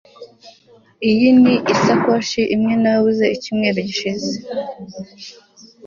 Iyi ni isakoshi imwe nabuze icyumweru gishize